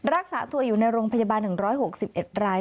รักษาตัวอยู่ในโรงพยาบาล๑๖๑ราย